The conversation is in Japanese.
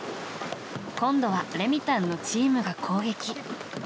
今度はレミたんのチームが攻撃。